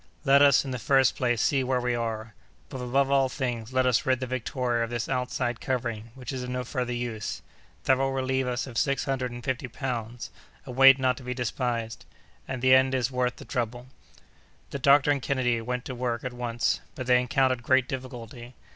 Let us, in the first place, see where we are. But, above all things, let us rid the Victoria of this outside covering, which is of no further use. That will relieve us of six hundred and fifty pounds, a weight not to be despised—and the end is worth the trouble!" The doctor and Kennedy went to work at once, but they encountered great difficulty.